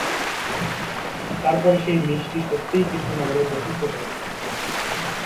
তারপরে সেই মিষ্টি সত্যিই কৃষ্ণনগরের বৈশিষ্ট্য হয়ে ওঠে।